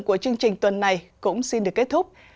của chương trình tuần này cũng xin được kết thúc